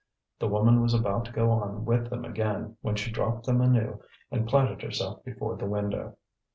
The woman was about to go on with them again when she dropped them anew and planted herself before the window.